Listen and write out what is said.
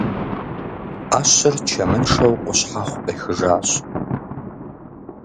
Ӏэщыр чэмыншэу къущхьэхъу къехыжащ.